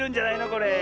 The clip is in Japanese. これ。